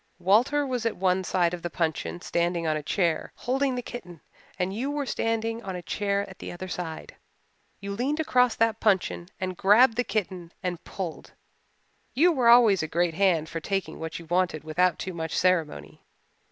Walter was at one side of the puncheon standing on a chair, holding the kitten, and you were standing on a chair at the other side. You leaned across that puncheon and grabbed the kitten and pulled. You were always a great hand for taking what you wanted without too much ceremony.